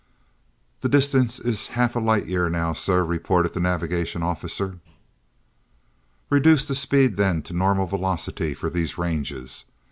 "The distance is half a light year now, sir," reported the navigation officer. "Reduce the speed, then, to normal velocity for these ranges.